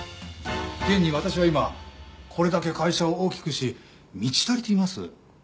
現に私は今これだけ会社を大きくし満ち足りています。